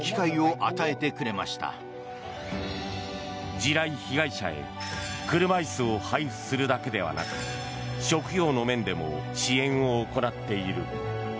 地雷被害者へ車椅子を配布するだけでなく職業の面でも支援を行っている。